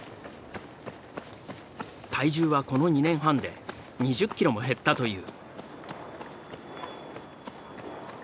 体重はこの２年半で２０キロも減ったという。